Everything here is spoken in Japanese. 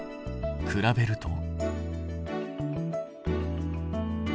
比べると。